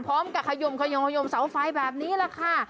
พร้อมกับขยมเสาไฟฟ้าแบบนี้ละค่ะ